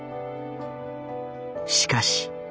しかし。